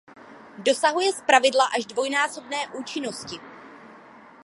Dosahuje zpravidla až dvojnásobné účinnosti.